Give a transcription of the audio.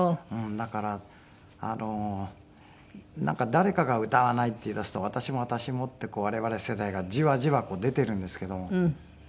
だからなんか誰かが歌わないって言い出すと私も私もって我々世代がじわじわ出ているんですけども。